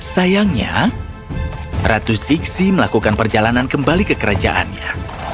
sayangnya ratu zixi melakukan perjalanan kembali ke kerajaannya